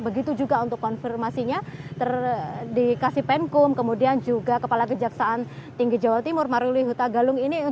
begitu juga untuk konfirmasinya dikasih penkum kemudian juga kepala kejaksaan tinggi jawa timur maruli huta galung ini